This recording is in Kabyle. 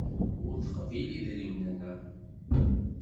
Ur teqbil idrimen-a.